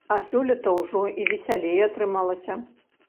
А сёлета ўжо і весялей атрымалася.